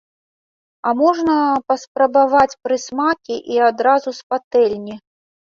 А можна паспрабаваць прысмакі і адразу з патэльні.